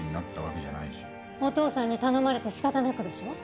お父さんに頼まれて仕方なくでしょ？